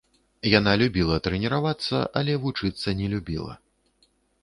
Яна любіла трэніравацца, але вучыцца не любіла.